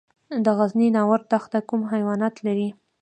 د غزني ناور دښته کوم حیوانات لري؟